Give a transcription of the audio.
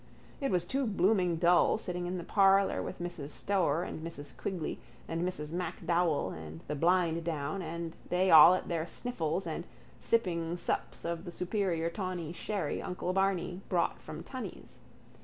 It was too blooming dull sitting in the parlour with Mrs Stoer and Mrs Quigley and Mrs MacDowell and the blind down and they all at their sniffles and sipping sups of the superior tawny sherry uncle Barney brought from Tunney's.